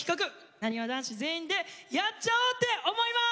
なにわ男子全員でやっちゃおうって思います！